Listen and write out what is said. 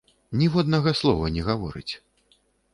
Ніводнага слова не гаворыць.